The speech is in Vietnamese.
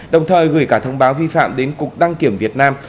đồng thời gửi cả thông báo vi phạm đến cục đăng kiểm việt nam